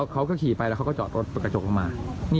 เขาก็ขี่ไปแล้วก็จอดตรงข้างข้าง